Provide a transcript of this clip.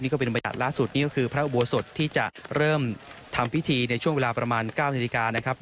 ก็เป็นบรรยากาศล่าสุดนี่ก็คือพระอุโบสถที่จะเริ่มทำพิธีในช่วงเวลาประมาณ๙นาฬิกานะครับ